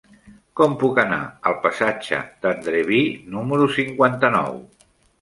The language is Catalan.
Com puc anar al passatge d'Andreví número cinquanta-nou?